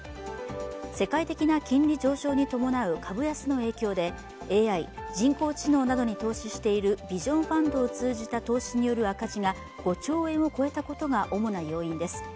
世界的な金利上昇に伴う株安の影響でＡＩ＝人工知能などに投資しているビジョン・ファンドを通じた投資による赤字が５兆円を超えたことが主な要因です。